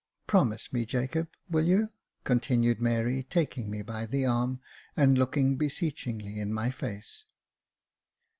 Promise me, Jacob, will you ?" continued Mary, taking me by the arm, and looking beseechingly in my face.